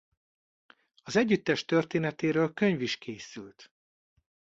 Az együttes történetéről könyv is készült.